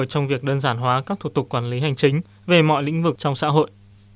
trong việc đơn giản hóa các thủ tục quản lý hành chính về mọi lĩnh vực trong xã hội